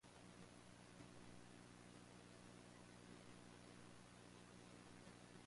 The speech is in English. Therefore, its scientific accuracy has been reassessed.